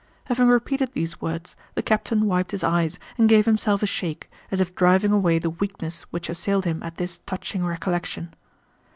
Having repeated these words the captain wiped his eyes and gave himself a shake, as if driving away the weakness which assailed him at this touching recollection.